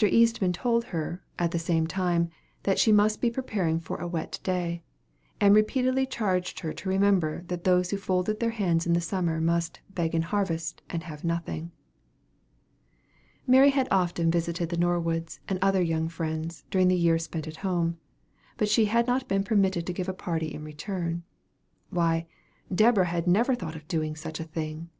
Eastman told her, at the same time, that she must be preparing for a wet day; and repeatedly charged her to remember that those who folded their hands in the summer, must "beg in harvest, and have nothing." Mary had often visited the Norwoods and other young friends, during the year spent at home; but she had not been permitted to give a party in return. Why, Deborah had never thought of doing such a thing!